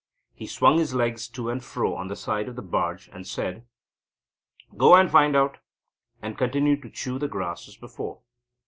He swung his legs to and fro on the side of the barge, and said; "Go and find out," and continued to chew the grass as before.